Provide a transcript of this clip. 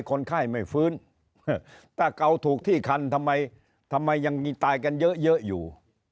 คนไข้ไม่ฟื้นถ้าเกาถูกที่คันทำไมทำไมยังมีตายกันเยอะอยู่